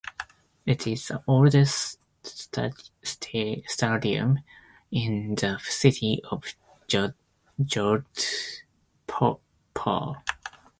It is the oldest stadium in the city of Jodhpur.